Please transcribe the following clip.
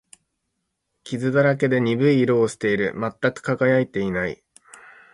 傷だらけで、鈍い色をしている。全く輝いていない。